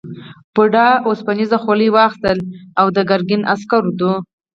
بوډا اوسپنيزه خولۍ واخیسته دا د ګرګین عسکرو ده.